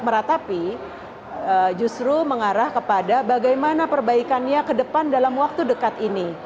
meratapi justru mengarah kepada bagaimana perbaikannya ke depan dalam waktu dekat ini